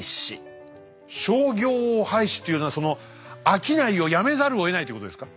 「商業を廃し」っていうのはその商いをやめざるをえないってことですか？